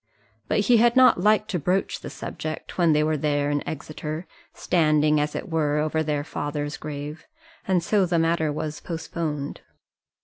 But he had not liked to broach the subject when they were there in Exeter, standing, as it were, over their father's grave, and so the matter was postponed.